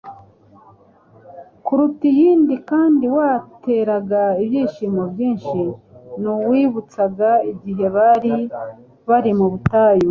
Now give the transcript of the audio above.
kuruta iyindi kandi wateraga ibyishimo byinshi ni uwibutsaga igihe bari bari mu butayu.